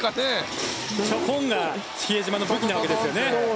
ちょこんが比江島の武器なわけですね。